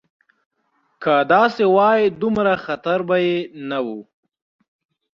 که داسې وای دومره خطر به یې نه و.